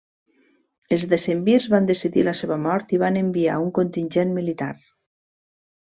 Els decemvirs van decidir la seva mort i van enviar un contingent militar.